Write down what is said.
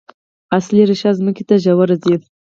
اصلي ریښه ځمکې ته ژوره ځي